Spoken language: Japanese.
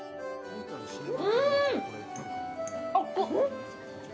うん！